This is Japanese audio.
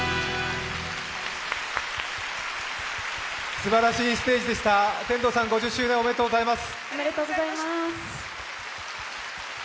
すばらしいステージでした、天童さん、５０周年おめでとうございます。